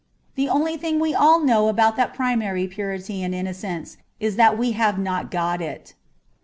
The only thing we all know about that primary purity and innocence is that we have not got it.